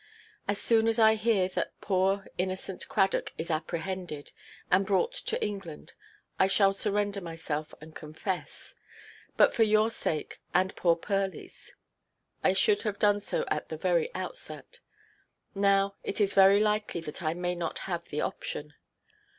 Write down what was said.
As soon as I hear that poor innocent Cradock is apprehended, and brought to England, I shall surrender myself and confess. But for your sake and poor Pearlyʼs, I should have done so at the very outset. Now it is very likely that I may not have the option.